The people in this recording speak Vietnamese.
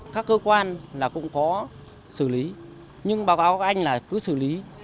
các cơ quan là cũng có xử lý nhưng báo cáo các anh là cứ xử lý